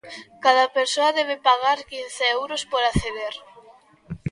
Cada persoa debe pagar quince euros por acceder.